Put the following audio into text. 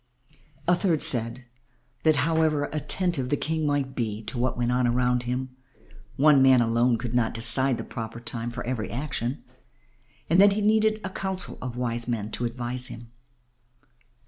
A third said that however attentive the King might be to what went on around him, one man alone could not decide the proper time for every action and that he needed a council of wise men to advise him.